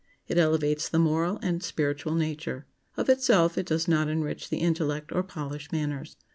It elevates the moral and spiritual nature. Of itself, it does not enrich the intellect, or polish manners.